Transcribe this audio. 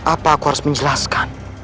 apa aku harus menjelaskan